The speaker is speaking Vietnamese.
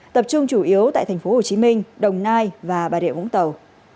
tập trung chủ yếu tại tp hcm đồng nai và bà rịa vũng tàu